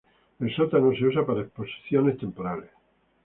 El sótano se usa para exposiciones temporales.